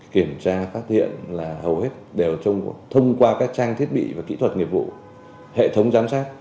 kiểm tra phát hiện là hầu hết đều thông qua các trang thiết bị và kỹ thuật nghiệp vụ hệ thống giám sát